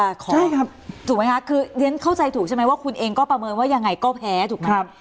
ใช่ครับถูกไหมคะคือเรียนเข้าใจถูกใช่ไหมว่าคุณเองก็ประเมินว่ายังไงก็แพ้ถูกไหมครับ